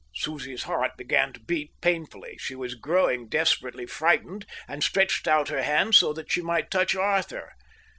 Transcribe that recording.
Susie's heart began to beat painfully. She was growing desperately frightened and stretched out her hand so that she might touch Arthur.